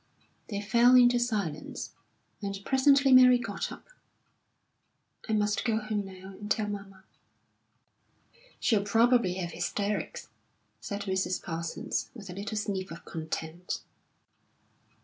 They fell into silence, and presently Mary got up. "I must go home now, and tell mamma." "She'll probably have hysterics," said Mrs. Parsons, with a little sniff of contempt.